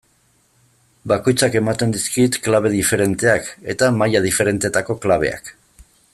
Bakoitzak ematen dizkit klabe diferenteak, eta maila diferentetako klabeak.